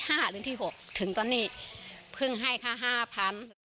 หรือที่๖ถึงตอนนี้เพิ่งให้ค่า๕๐๐๐